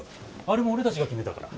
あれも俺たちが決めたから。